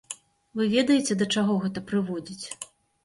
Вы ведаеце, да чаго гэта прыводзіць.